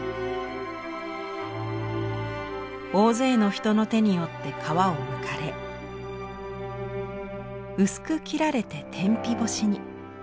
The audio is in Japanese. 大勢の人の手によって皮をむかれ薄く切られて天日干しに。